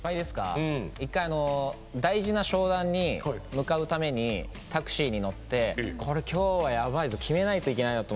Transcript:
一回大事な商談に向かうためにタクシーに乗ってきょうはやばいぞ決めないといけないなと。